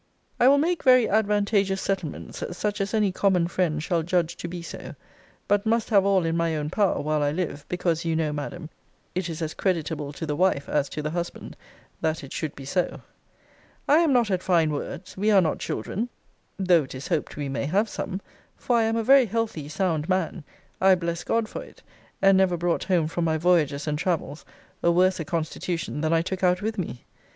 I will make very advantageous settlements; such as any common friend shall judge to be so. But must have all in my own power, while I live: because, you know, Madam, it is as creditable to the wife, as to the husband, that it should be so. I am not at fine words. We are not children; though it is hoped we may have some; for I am a very healthy sound man. I bless God for it: and never brought home from my voyages and travels a worser constitution than I took out with me.